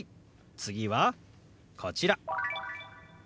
次はこちら。